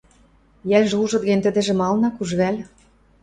Йӓлжӹ ужыт гӹнь, тӹдӹжӹ малын ак уж вӓл?